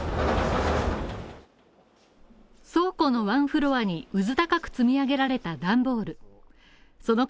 倉庫のワンフロアにうずたかく積み上げられたダンボール、その数